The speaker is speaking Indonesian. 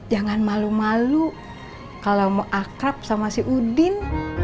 jangan malu malu kalau mau akrab sama si udin